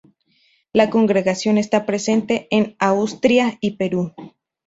La congregación está presente en Austria y Perú.